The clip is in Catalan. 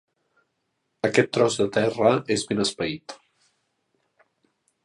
Aquest tros de terra és ben espeït.